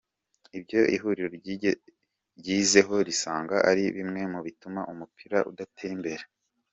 Ibyo ihuriro ryizeho risanga ari bimwe mu bituma umupira udatera imbere:.